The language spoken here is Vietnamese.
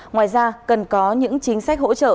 ngoài ra cần có những chính sách hỗ trợ